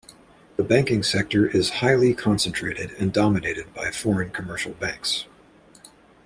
The banking sector is highly concentrated and dominated by foreign commercial banks.